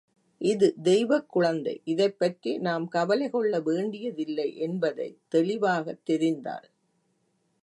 இது தெய்வக் குழந்தை இதைப்பற்றி நாம் கவலைகொள்ள வேண்டிய தில்லை என்பதைத் தெளிவாகத் தெரிந்தாள்.